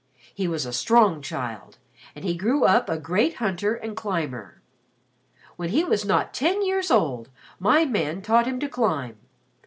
He was a strong child and he grew up a great hunter and climber. When he was not ten years old, my man taught him to climb.